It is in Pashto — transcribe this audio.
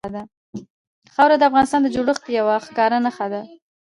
خاوره د افغانستان د ځمکې د جوړښت یوه ښکاره نښه ده.